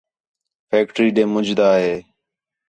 فیکٹری ݙے مُنڄدا ہِے